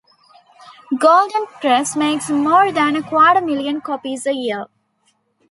Golden Press makes more than a quarter million copies a year.